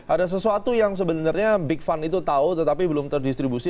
ada sesuatu yang sebenarnya big fund itu tahu tetapi belum terdistribusi